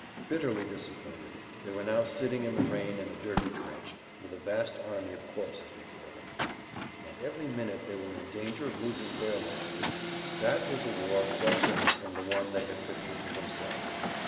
Bitterly disappointed they were now sitting in the rain in a dirty trench, with a vast army of corpses before them. And every minute they were in danger of losing[Pg 129] their life! That was a war quite different from the one they had pictured to themselves.